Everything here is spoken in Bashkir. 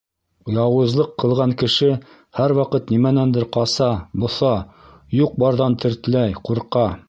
Яуызлыҡ ҡылған кеше һәр ваҡыт нимәнәндер ҡаса, боҫа, юҡ-барҙан тертләй, ҡурҡа.